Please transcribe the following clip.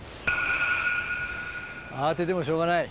慌ててもしょうがない。